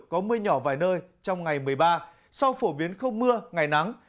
có mưa nhỏ vài nơi trong ngày một mươi ba sau phổ biến không mưa ngày nắng